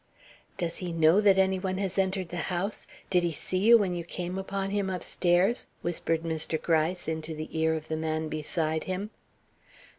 "Does he know that any one has entered the house? Did he see you when you came upon him upstairs?" whispered Mr. Gryce into the ear of the man beside him.